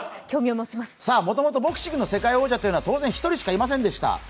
もともとボクシングの世界王者というのは当然、１人しかいませんでした。